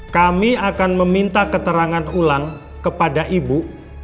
kami akan meminta keterangan ulang kepada ibu